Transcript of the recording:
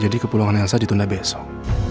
jadi kepulauan elsa ditunda besok